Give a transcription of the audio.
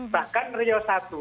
bahkan rio satu